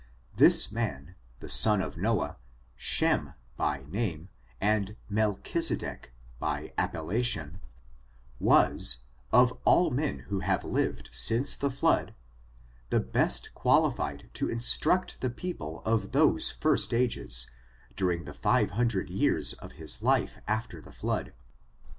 This man, the son of Noah, Shem by name, and JUlNlehise' dek by appellcUion, was, of all mien who hiaive liVi^ since the flood, the best qualified to instruct the peo^' pie of those first ages, during the five hundred years' of his life after the flood.